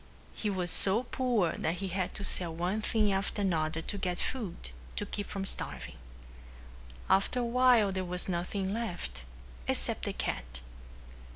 He was so poor that he had to sell one thing after another to get food to keep from starving. After a while there was nothing left except the cat.